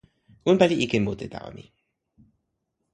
unpa li ike mute tawa mi.